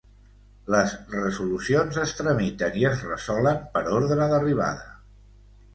Les resolucions es tramiten i es resolen per ordre d'arribada.